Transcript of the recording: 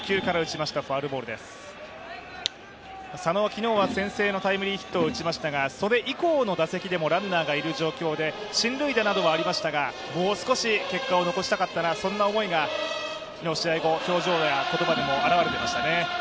佐野は昨日は先制のタイムリーヒットを打ちましたけどそれ以降の打席でもランナーがいる状況で進塁打などはありましたが、もう少し結果を残したかったな、そんな思いが昨日、試合後、表情や言葉でも表れていましたね。